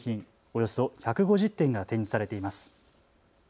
およそ１５０点が展示されています。